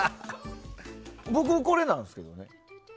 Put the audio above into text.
僕これなんですけどね。